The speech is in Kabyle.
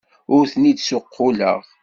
Ur ten-id-ssuqquleɣ.